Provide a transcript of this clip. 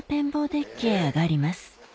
デッキへ上がります